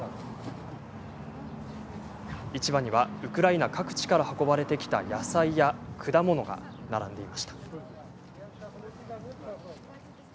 市場にはウクライナ各地から運ばれてきた野菜や果物が並んでいました。